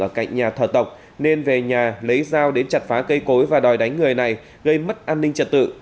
ở cạnh nhà thờ tộc nên về nhà lấy dao đến chặt phá cây cối và đòi đánh người này gây mất an ninh trật tự